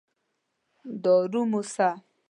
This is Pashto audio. دارو موسه.